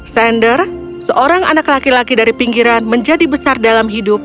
sander seorang anak laki laki dari pinggiran menjadi besar dalam hidup